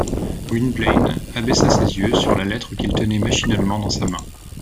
Gwynplaine abaissa ses yeux sur la lettre qu’il tenait machinalement dans sa main.